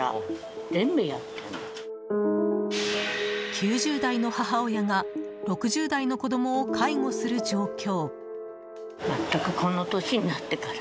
９０代の母親が６０代の子供を介護する状況。